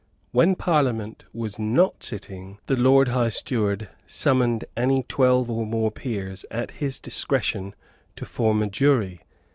When Parliament was not sitting, the Lord High Steward summoned any twelve or more peers at his discretion to form a jury.